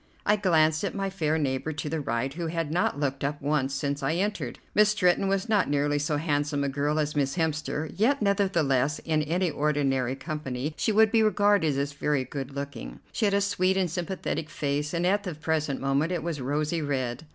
I glanced at my fair neighbor to the right, who had not looked up once since I entered. Miss Stretton was not nearly so handsome a girl as Miss Hemster, yet nevertheless in any ordinary company she would be regarded as very good looking. She had a sweet and sympathetic face, and at the present moment it was rosy red.